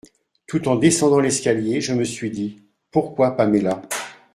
Tout en descendant l’escalier, je me suis dit Pourquoi Paméla…